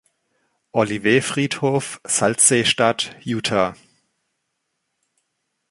Olivet-Friedhof, Salzsee-Stadt, Utah.